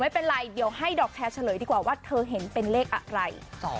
ไม่เป็นไรเดี๋ยวให้ดอกแคร์เฉลยดีกว่าว่าเธอเห็นเป็นเลขอะไร